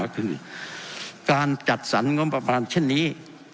การจัดสรรค์เงินประมาณเช่นนี้